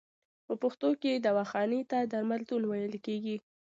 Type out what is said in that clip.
په پښتو کې دواخانې ته درملتون ویل کیږی.